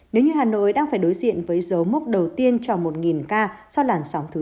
nếu như hà nội đang phải đối diện với dấu mốc đầu tiên cho một k sau làn sóng thứ bốn